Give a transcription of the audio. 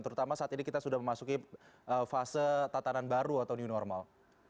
terutama saat ini kita sudah memasuki fase tatanan baru atau new normal